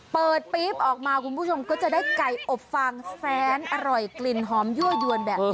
ปี๊บออกมาคุณผู้ชมก็จะได้ไก่อบฟางแสนอร่อยกลิ่นหอมยั่วยวนแบบนี้